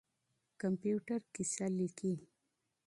کمپيوټر کيسه ليکي.